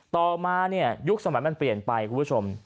ต่อมาเนี่ยยุคสมัยมันเปลี่ยนไปคุณผู้ชม